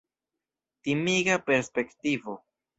Timiga perspektivo!